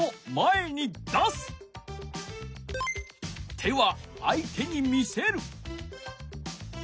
手は相手に見せる。